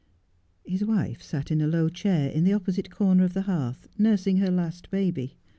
His wife sat in a low chair in the opposite corner of the hearth nursing her last baby.